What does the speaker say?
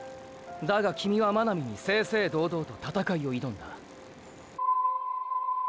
だがキミは真波に正々堂々と闘いを挑んだ。